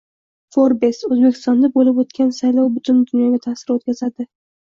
Forbes: O‘zbekistonda bo‘lib o‘tgan saylov butun dunyoga ta’sirini o‘tkazading